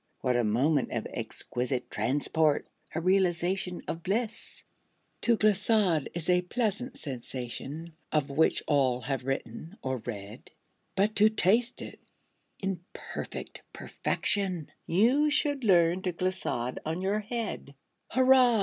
What a moment of exquisite transport! A realization of bliss! To glissade is a pleasant sensation, Of which all have written, or read; But to taste it, in perfect perfection, You should learn to glissade on your head. Hurrah!